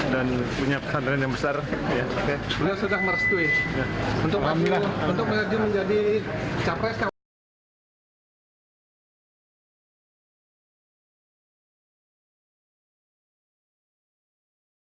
dan punya pesan yang besar ya sudah merestui untuk ambil untuk menjadi capai